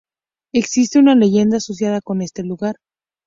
Existe una leyenda asociada con este lugar.